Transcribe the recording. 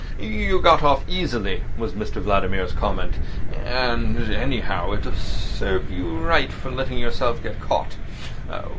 "You got off easily," was Mr Vladimir's comment. "And, anyhow, it served you right for letting yourself get caught.